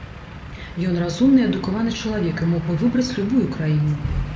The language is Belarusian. Ён разумны і адукаваны чалавек і мог бы выбраць любую краіну.